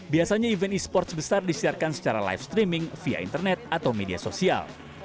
biasanya event e sports besar disiarkan secara live streaming via internet atau media sosial